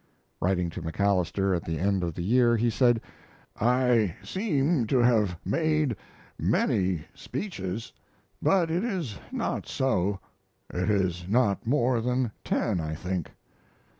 Writing to MacAlister at the end of the year, he said, "I seem to have made many speeches, but it is not so. It is not more than ten, I think."